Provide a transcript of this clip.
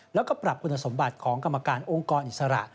แล้วก็ปรับคุณสมบัติของกรรมการองค์กรอิสระ